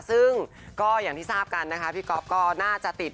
ซึ่งก็อย่างที่ทราบกันนะคะพี่ก๊อฟก็น่าจะติด